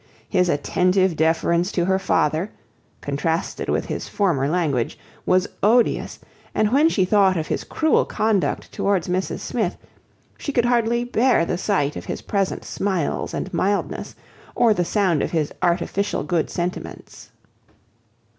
His attentive deference to her father, contrasted with his former language, was odious; and when she thought of his cruel conduct towards Mrs Smith, she could hardly bear the sight of his present smiles and mildness, or the sound of his artificial good sentiments.